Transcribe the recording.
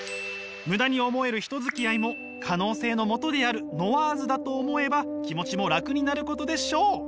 ムダに思える人付き合いも可能性のもとであるノワーズだと思えば気持ちも楽になることでしょう！